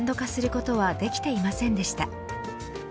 ことはできていませんでした。